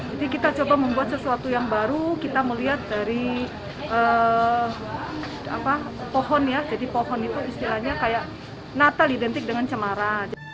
jadi kita coba membuat sesuatu yang baru kita melihat dari pohon ya jadi pohon itu istilahnya kayak natal identik dengan cemara